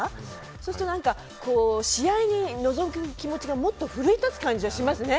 そうすると何かこう試合に臨む気持ちがもっと奮い立つ感じはしますね。